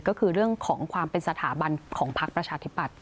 ก็คือเรื่องของความเป็นสถาบันของพักประชาธิปัตย